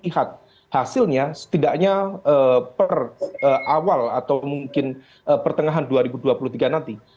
lihat hasilnya setidaknya per awal atau mungkin pertengahan dua ribu dua puluh tiga nanti